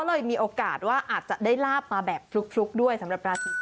เลยมีโอกาสว่าอาจจะได้ลาบมาแบบฟลุกด้วยสำหรับราศีกัน